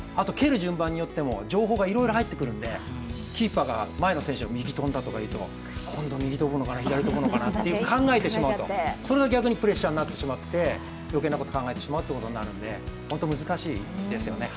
順番によっても情報がいろいろ入ってくるのでキーパーが前の選手のときに右にとんだとか今度、右飛ぶのかなとか左飛ぶのかなと考えてしまうとそれが逆にプレッシャーになってしまって余計なことを考えてしまうことになるので本当に難しいですよね。